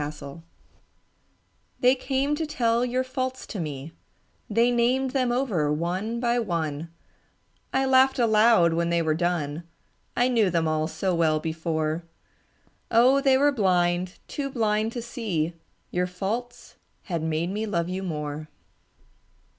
Faults They came to tell your faults to me, They named them over one by one; I laughed aloud when they were done, I knew them all so well before, Oh, they were blind, too blind to see Your faults had made me love you more.